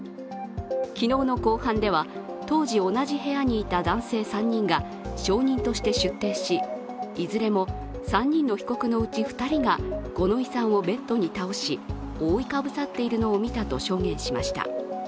昨日の公判では、当時同じ部屋にいた男性３人が証人として出廷し、いずれも３人の被告のうち２人が五ノ井さんをベッドに倒し覆いかぶさっているのを見たと証言しました。